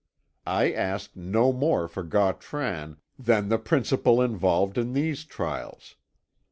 I ask no more for Gautran than the principle involved in these trials.